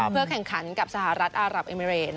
เพื่อแข่งขันกับสหรัฐอารับเอเมริ